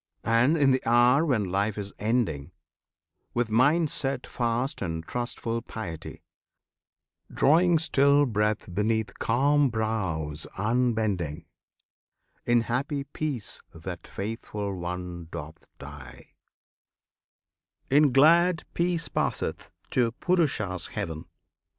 And, in the hour when life is ending, With mind set fast and trustful piety, Drawing still breath beneath calm brows unbending, In happy peace that faithful one doth die, In glad peace passeth to Purusha's heaven.